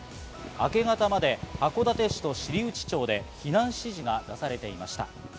明け方まで函館市と知内町で避難指示が出されていました。